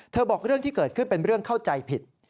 บอกเรื่องที่เกิดขึ้นเป็นเรื่องเข้าใจผิด